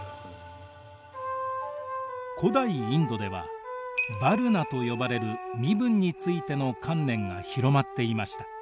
古代インドではヴァルナと呼ばれる身分についての観念が広まっていました。